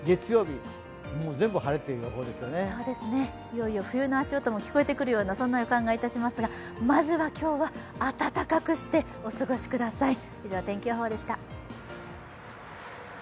いよいよ冬の足音も聞こえてくるような予感もしますがまずは今日は暖かくしてお過ごしください。